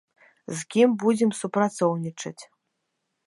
З кім будзем супрацоўнічаць?